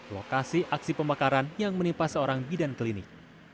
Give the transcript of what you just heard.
lokasi aksi pembakaran yang menimpa seorang bidan klinik